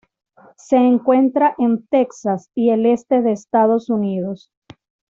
Se encuentra en Texas y el este de Estados Unidos.